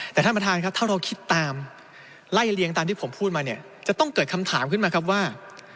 แต่ท่านประธานครับถ้าเราคิดตามไล่เลียงตามที่ผมพูดมาเนี่ยจะต้องเกิดคำถามขึ้นมาครับว่า